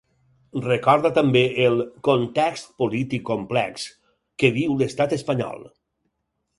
Recorda, també, el ‘context polític complex’ que viu l’estat espanyol.